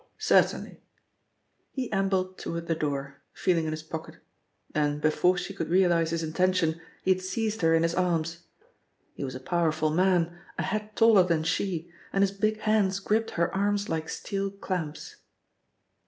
"Certainly," He ambled toward the door, feeling in his pocket, then before she could realise his intention he had seized her in his arms. He was a powerful man, a head taller than she, and his big hands gripped her arms like steel clamps.